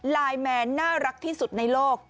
ไลน์แมนน่ารักที่สุดในโลก